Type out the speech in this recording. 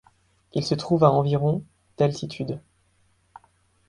Il se trouve à environ d'altitude.